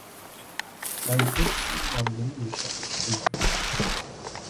გაიგეთ, სულ რამდენი ვეშაპი ხტუნავდა.